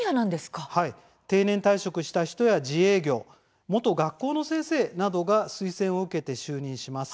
定年退職した人や自営業元学校の先生などが推薦を受けて就任します。